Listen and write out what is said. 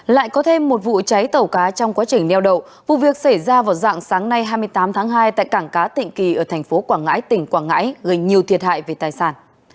lại có thêm một vụ cháy tàu cá trong quá trình neo đậu vụ việc xảy ra vào dạng sáng nay hai mươi tám tháng hai tại cảng cá tịnh kỳ ở thành phố quảng ngãi tỉnh quảng ngãi gây nhiều thiệt hại về tài sản